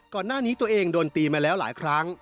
ก่อนหน้านี้ตัวเองโดนตีมาแล้วหลายครั้ง